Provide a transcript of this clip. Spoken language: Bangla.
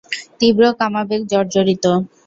তীব্র কামাবেগে জর্জরিত।